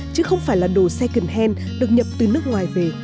chứ không phải là đồ second hand được nhập từ nước ngoài